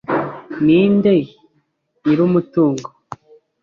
Ninde nyir'umutungo?